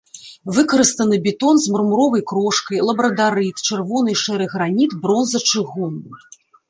Выкарыстаны бетон з мармуровай крошкай, лабрадарыт, чырвоны і шэры граніт, бронза, чыгун.